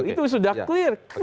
itu sudah clear